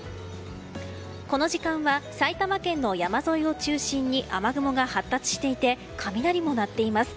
この時間は埼玉県の山沿いを中心に雨雲が発達していて雷も鳴っています。